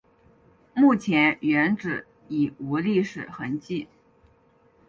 目前原址已无历史痕迹。